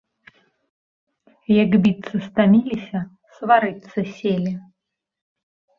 Як біцца стаміліся, сварыцца селі.